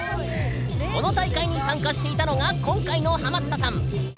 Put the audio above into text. この大会に参加していたのが今回のハマったさん。